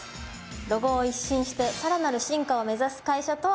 ロゴを一新してさらなる進化を目指す会社とは？